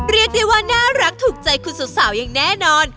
เรียกได้ว่าน่ารักถูกใจคุณสาวอย่างแน่นอน